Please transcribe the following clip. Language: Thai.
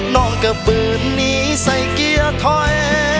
น้องก็ฝืนหนีใส่เกียร์ถอย